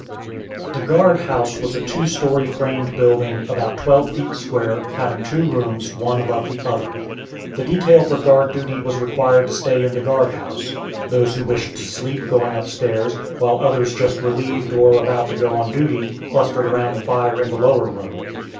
The guard house was a two story framed building, about twelve feet square, having two rooms, one above the other. The detail for guard duty was required to stay in the guard house; those who wished to sleep going up stairs, while others just relieved or about to go on duty clustered around the fire in the lower room.